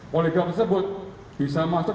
poligraf tersebut bisa masuk